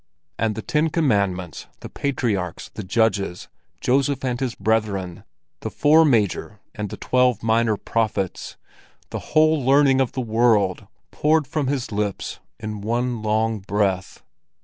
And the Ten Commandments, the Patriarchs, the Judges, Joseph and his brethren, the four major and the twelve minor prophets—the whole learning of the world poured from his lips in one long breath.